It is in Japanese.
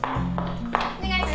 お願いします。